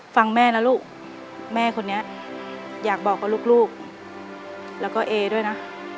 ฟังแม่นะลูกแม่คนนี้อยากบอกกับลูกแล้วก็เอด้วยนะ